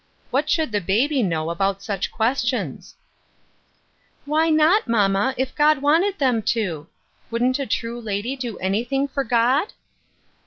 What should the baby know about such questions ?" Why not, mamma, if God wanted them to ? Wouldn't a true lady do anything for God